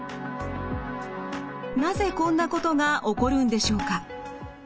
なぜこんなことが起こるんでしょうか？